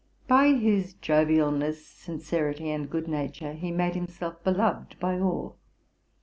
By his jovialness, sincerity, and good nature, he made himself beloved by all.